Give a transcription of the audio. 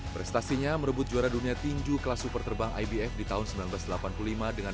prestasinya merebut juara dunia tinju kelas super terbang ibf di tahun seribu sembilan ratus delapan puluh lima dengan